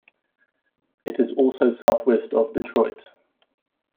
It is also southwest of Detroit.